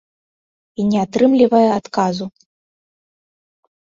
І не атрымлівае адказу!